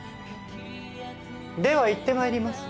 ではいってまいります。